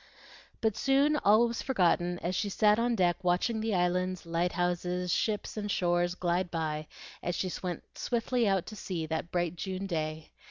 But soon all was forgotten as she sat on deck watching the islands, lighthouses, ships, and shores glide by as she went swiftly out to sea that bright June day.